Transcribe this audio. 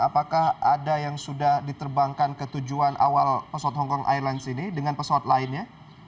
apakah ada yang sudah diterbangkan ke tujuan awal pesawat hongkong airlines ini dengan pesawat lainnya